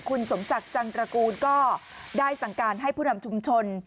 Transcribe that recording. คุณสมศักดิ์จันตระกูลก็ได้สั่งการให้ผู้นำชุมชน